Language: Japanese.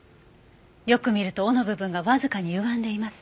よく見ると尾の部分がわずかにゆがんでいます。